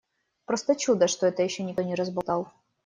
Просто чудо, что это ещё никто не разболтал.